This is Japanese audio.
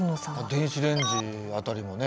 電子レンジ辺りもね